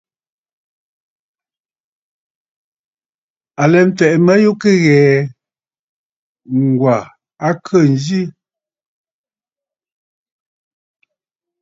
À lɛ mfɛ̀ʼɛ̀, ŋghə mə kɨ ghɛ̀ɛ̀, Ŋ̀gwà a khê ǹzi.